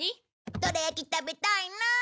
ドラ焼き食べたいな。